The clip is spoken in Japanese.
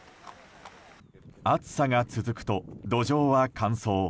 暑さが続くと土壌は乾燥。